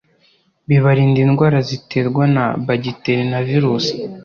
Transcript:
bibarinda indwara ziterwa na bagiteri na virusi,